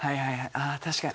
ああ確かに。